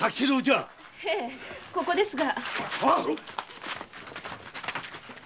ここですが。